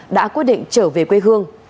đã quyết định trở về quê hương